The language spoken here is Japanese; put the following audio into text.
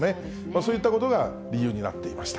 そういったことが理由になっていました。